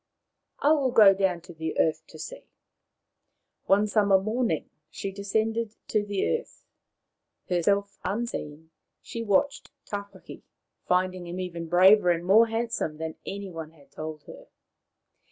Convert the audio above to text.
I will go down to the earth to see. ,, One summer morning she descended to the earth. Herself unseen, she watched Tawhaki, finding him even braver and more handsome than any one had told her.